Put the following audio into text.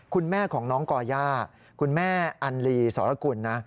คุณแม่ของน้องก่อย่าคุณแม่อันลีสรกุลนะ